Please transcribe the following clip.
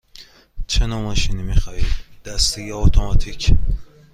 چه نوع ماشینی می خواهید – دستی یا اتوماتیک؟